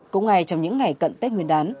cũng ngày trong những ngày cận tết nguyên đán